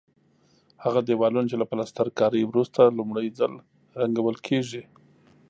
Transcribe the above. هغه دېوالونه چې له پلسترکارۍ وروسته لومړی ځل رنګول کېږي.